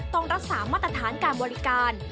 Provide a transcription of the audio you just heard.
ต้องรักษามาตรฐานการบริการ